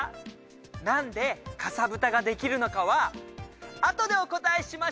なんでカサブタができるのかはあとでおこたえしま